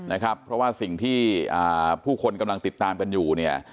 นะครับเพราะว่าสิ่งที่ผู้คนกำลังติดตามกันอยู่เนี่ย